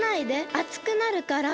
あつくなるから。